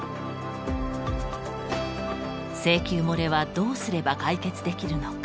請求もれはどうすれば解決できるのか。